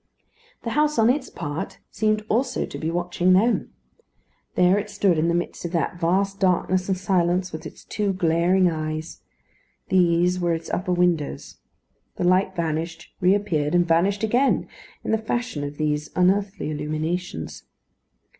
The house on its part seemed also to be watching them. There it stood in the midst of that vast darkness and silence, with its two glaring eyes. These were its upper windows. The light vanished, reappeared, and vanished again, in the fashion of these unearthly illuminations.